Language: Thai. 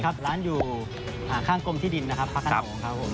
ครับร้านอยู่ข้างกลมที่ดินนะครับพระคาโน่ครับ